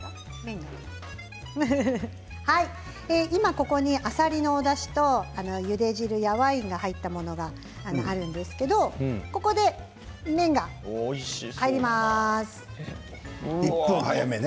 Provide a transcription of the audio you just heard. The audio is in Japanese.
今ここにあさりのおだしとゆで汁やワインが入ったものがあるんですけれど１分早めですね。